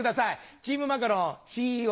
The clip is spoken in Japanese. チームマカロンＣＥＯ